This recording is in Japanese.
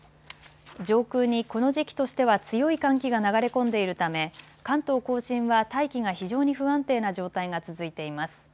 上空にこの時期としては強い寒気が流れ込んでいるため関東甲信は大気が非常に不安定な状態が続いています。